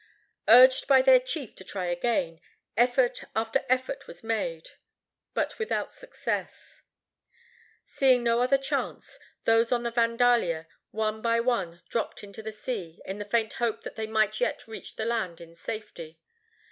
Urged by their chief to try again, effort after effort was made, but without success. Seeing no other chance, those on the Vandalia one by one dropped into the sea, in the faint hope that they might yet reach the land in safety.